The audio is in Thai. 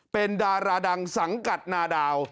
เป็นดาราดังสังกัดนาดาว